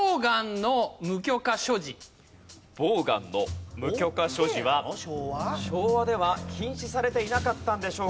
ボウガンの無許可所持は昭和では禁止されていなかったんでしょうか？